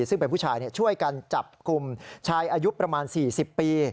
ซึ่งเป็นผู้ชายช่วยกันจับกลุ่มชายอายุประมาณ๔๐ปี